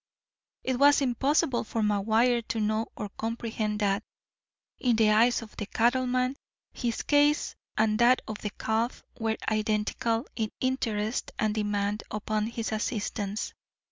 It was impossible for McGuire to know or comprehend that, in the eyes of the cattleman, his case and that of the calf were identical in interest and demand upon his assistance.